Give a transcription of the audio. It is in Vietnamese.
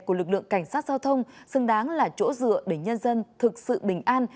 của lực lượng cảnh sát giao thông xứng đáng là chỗ dựa để nhân dân thực sự bình an